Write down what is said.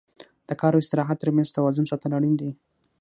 د کار او استراحت تر منځ توازن ساتل اړین دي.